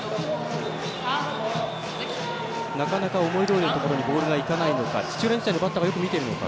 なかなか思いどおりのところにボールがいかないのか土浦日大のバッターがよく見ているのか。